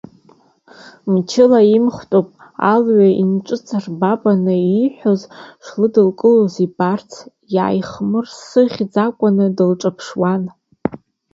Мчыла имхтәуп, алҩа наиҿыҵаирбыбын, ииҳәаз шлыдылкылоз ибарц, иааихмырсыӷькәан дылҿаԥшуан.